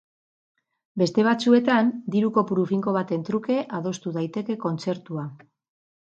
Beste batzuetan, diru kopuru finko baten truke adostu daiteke kontzertua.